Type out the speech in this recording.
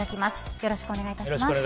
よろしくお願いします。